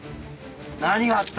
何があった？